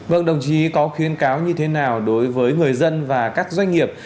vâng đồng chí có khuyến cáo như thế nào đối với người dân và các doanh nghiệp